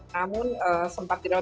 namun sempat tidak berubah